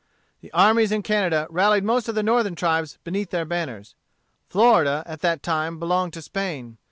The armies in Canada rallied most of the Northern tribes beneath their banners. Florida, at that time, belonged to Spain.